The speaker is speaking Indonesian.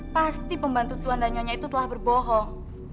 pasti pembantu tuan dan nyonya itu telah berbohong